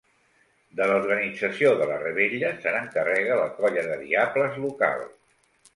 De l’organització de la revetlla se n’encarrega la colla de diables local.